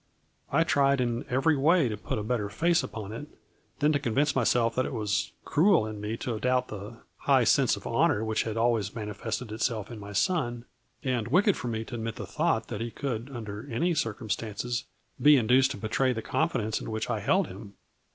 I tried in every way to put a better face upon it, then to convince myself that it was cruel in me to doubt the high sense of honor which had always manifested itself in my son, and wicked for me to admit the thought that he could, un der any circumstances, be induced to betray the confidence in which I held him.